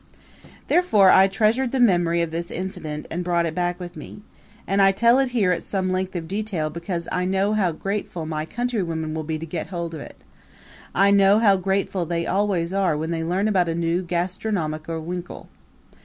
Therefore I treasured the memory of this incident and brought it back with me; and I tell it here at some length of detail because I know how grateful my countrywomen will be to get hold of it I know how grateful they always are when they learn about a new gastronomical wrinkle.